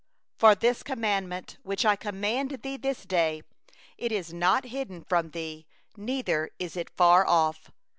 11For this commandment which I command thee this day, it is not too hard for thee, neither is it far off.